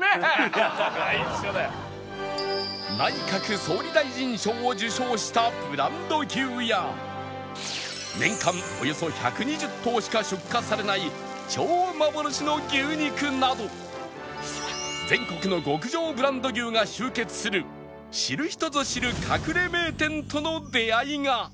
内閣総理大臣賞を受賞したブランド牛や年間およそ１２０頭しか出荷されない超幻の牛肉など全国の極上ブランド牛が集結する知る人ぞ知る隠れ名店との出会いが